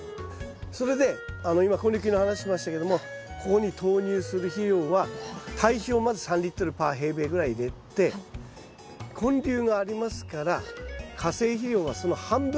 それで今根粒菌の話しましたけどもここに投入する肥料は堆肥をまず３／ぐらい入れて根粒がありますから化成肥料はその半分。